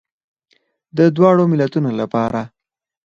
د دواړو ملتونو لپاره.